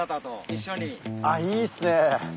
あっいいっすね。